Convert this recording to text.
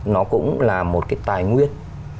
nó cũng là một cái tài nguyên